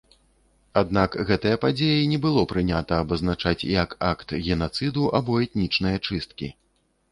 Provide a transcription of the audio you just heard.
Аднак, гэтыя падзеі не было прынята абазначаць як акт генацыду або этнічныя чысткі.